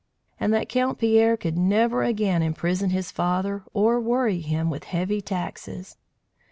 And that Count Pierre could never again imprison his father or worry him with heavy taxes!